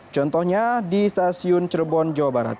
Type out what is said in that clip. contohnya di stasiun cirebon jawa barat